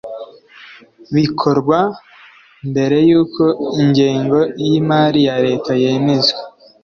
Bikorwa mbere y’uko ingengo y’imari ya Leta yemezwa